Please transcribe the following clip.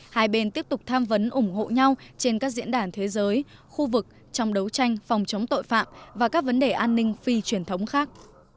hai bên tiếp tục tham vấn ủng hộ nhau trên các diễn đàn thế giới khu vực trong đấu tranh phòng chống tội phạm và các vấn đề an ninh phi truyền thống khác